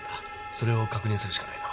それを確認するしかないな。